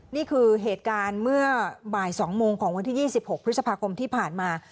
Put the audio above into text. นี่คือเหตุการณ์เมื่อบ่าย๒โมงของวันที่๒๖พฤษภาคมที่ผ่านมา